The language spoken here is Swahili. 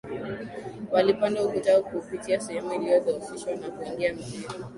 Walipanda ukuta kupitia sehemu iliyodhoofishwa na kuingia mjini